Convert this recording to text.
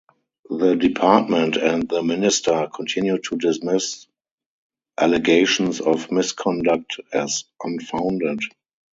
The Department, and the Minister, continued to dismiss allegations of misconduct as unfounded.